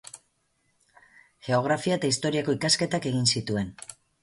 Geografia eta Historiako ikasketak egin zituen.